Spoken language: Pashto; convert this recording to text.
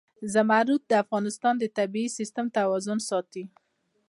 زمرد د افغانستان د طبعي سیسټم توازن ساتي.